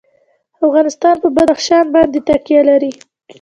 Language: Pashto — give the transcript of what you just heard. افغانستان په بدخشان باندې تکیه لري.